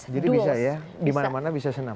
jadi bisa ya dimana mana bisa senam